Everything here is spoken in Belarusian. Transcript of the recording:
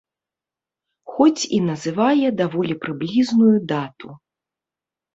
Хоць і называе даволі прыблізную дату.